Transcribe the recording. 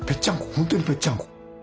本当にぺっちゃんこ。